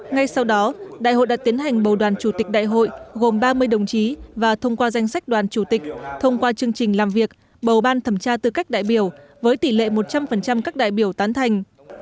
ngay sau đó đại hội đã tiến hành bầu đoàn chủ tịch đại hội gồm ba mươi đồng chí và thông qua danh sách đoàn chủ tịch thông qua chương trình làm việc bầu ban thẩm tra tư cách đại biểu với tỷ lệ một trăm linh các đại biểu tán thành